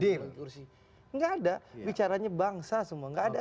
tidak ada bicaranya bangsa semua tidak ada